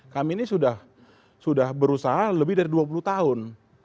kami ini sudah berusaha lebih dari dua puluh tahun